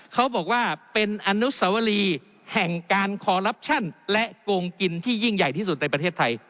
เขาบอกว่าเป็นอนุสวรีแห่งการคอลลับชั่นและโกงกินที่ยิ่งใหญ่ที่สุดในประเทศไทย